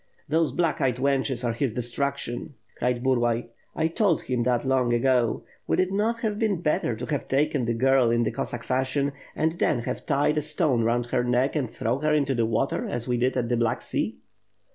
"Those black eyed wenches are his destruction," cried Bur lay. "I told him that long ago. Would it not have been better to have taken the girl in the Cossack fashion, and then have tied a stone round her neck and thrown her into the water, as we did at the Black Sea?"